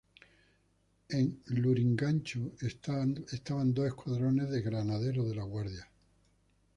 En Lurigancho estaban dos escuadrones de Granaderos de la Guardia.